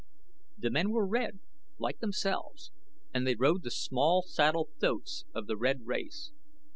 The men were red, like themselves, and they rode the small saddle thoats of the red race.